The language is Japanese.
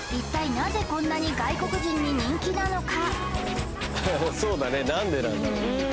なぜこんなに外国人に人気なのか？